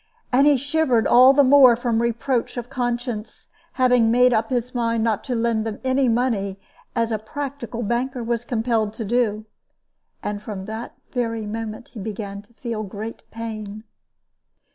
And he shivered all the more from reproach of conscience, having made up his mind not to lend them any money, as a practical banker was compelled to do. And from that very moment he began to feel great pain.